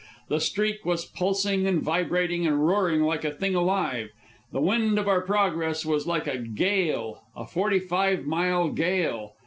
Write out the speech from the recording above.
The Streak was pulsing and vibrating and roaring like a thing alive. The wind of our progress was like a gale a forty five mile gale.